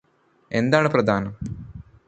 ഏതാണ് പ്രധാനം?